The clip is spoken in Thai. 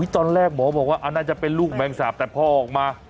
ตอนแรกหมอบอกว่าน่าจะเป็นลูกแมงสาบแต่พ่อออกมา